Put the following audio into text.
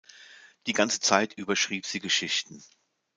Die ganze Zeit über schrieb sie Geschichten.